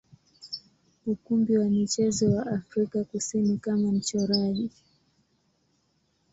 ukumbi wa michezo wa Afrika Kusini kama mchoraji.